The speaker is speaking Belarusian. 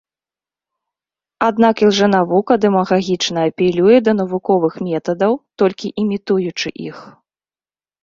Аднак ілжэнавука дэмагагічна апелюе да навуковых метадаў, толькі імітуючы іх.